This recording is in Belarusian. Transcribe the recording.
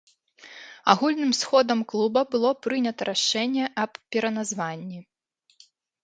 Агульным сходам клуба было прынята рашэнне аб пераназванні.